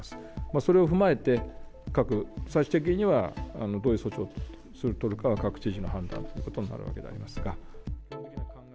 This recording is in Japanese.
それを踏まえて、最終的には、どういう措置を取るかは、各知事の判断ということになるわけでありますが。